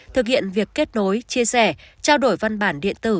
thực hiện việc kết nối chia sẻ trao đổi văn bản điện tử